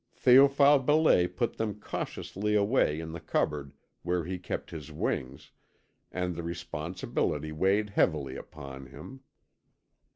Théophile Belais put them cautiously away in the cupboard where he kept his wings, and the responsibility weighed heavily upon him.